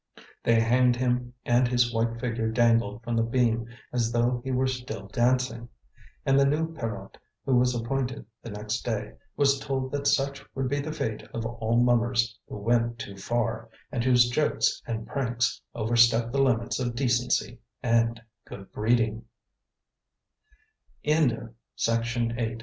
They hanged him and his white figure dangled from the beam as though he were still dancing; and the new Pierrot, who was appointed the next day, was told that such would be the fate of all mummers who went too far, and whose jokes and pranks overstepped the limits of decency and